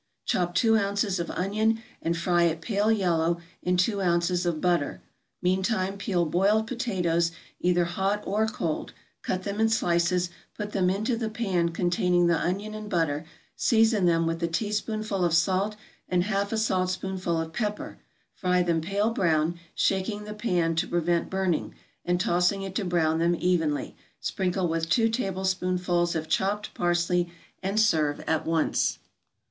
= Chop two ounces of onion, and fry it pale yellow in two ounces of butter; meantime peel boiled potatoes, either hot or cold, cut them in slices, put them into the pan containing the onion and butter, season them with a teaspoonful of salt, and half a saltspoonful of pepper, fry them pale brown, shaking the pan to prevent burning, and tossing it to brown them evenly; sprinkle with two tablespoonfuls of chopped parsley, and serve at once.